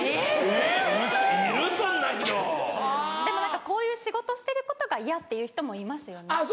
でもこういう仕事してることが嫌っていう人もいますよね。